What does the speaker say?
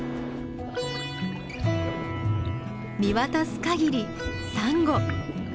見渡す限りサンゴ！